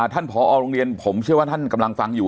ผอโรงเรียนผมเชื่อว่าท่านกำลังฟังอยู่